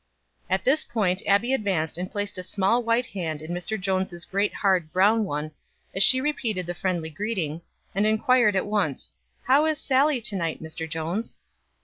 At this point Abbie advanced and placed a small white hand in Mr. Jones' great hard brown one, as she repeated the friendly greeting, and inquired at once: "How is Sallie, to night, Mr. Jones?"